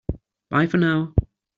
Bye for now!